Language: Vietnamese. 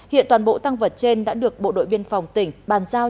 hiện toàn bộ tăng vật trên đã được bộ đội biên phòng tỉnh bàn giao